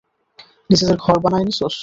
নিজের ঘর বানায় নিছোস?